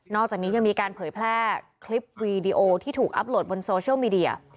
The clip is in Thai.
อกจากนี้ยังมีการเผยแพร่คลิปวีดีโอที่ถูกอัพโหลดบนโซเชียลมีเดีย